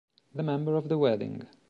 The Member of the Wedding